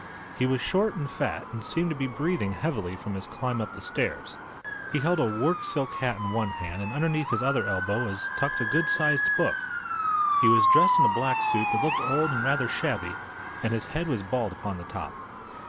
He was short and fat, and seemed to be breathing heavily from his climb up the stairs. He held a work silk hat in one hand and underneath his other elbow was tucked a good sized book. He was dressed in a black suit that looked old and rather shabby, and his head was bald upon the top.